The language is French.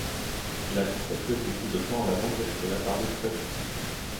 Il a consacré beaucoup de temps à la langue et la parlait très bien.